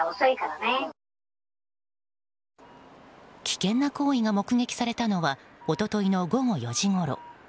危険な行為が目撃されたのは一昨日の午後４時ごろ。